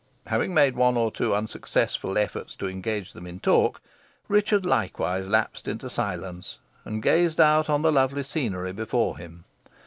Having made one or two unsuccessful efforts to engage them in talk, Richard likewise lapsed into silence, and gazed out on the lovely scenery before him.